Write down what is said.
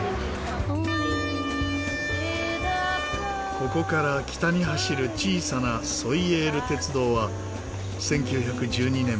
ここから北に走る小さなソイェール鉄道は１９１２年